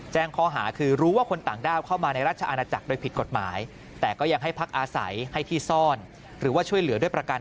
แจ้งข้อหาคือ